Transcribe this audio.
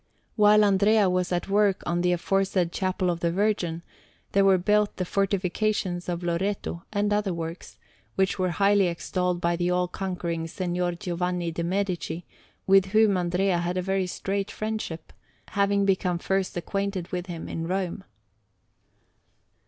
While Andrea was at work on the aforesaid Chapel of the Virgin, there were built the fortifications of Loreto and other works, which were highly extolled by the all conquering Signor Giovanni de' Medici, with whom Andrea had a very strait friendship, having become first acquainted with him in Rome.